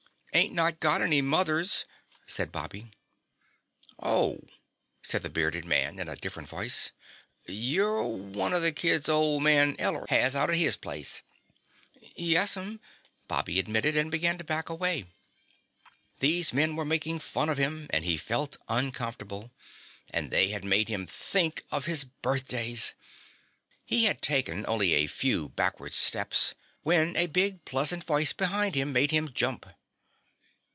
"Ain't not got any mothers," said Bobby. "Oh," said the bearded man in a different voice, "you're one of the kids old man Eller has out to his place." "Yes'm," Bobby admitted and began to back away. These men were making fun of him and he felt uncomfortable, and they had made him think of his birthdays! He had taken only a few backward steps when a big pleasant voice behind him made him jump.